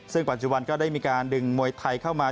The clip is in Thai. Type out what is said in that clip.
ซึ่งปัจจุบันก็ได้มีการดึงมวยไทยเข้ามา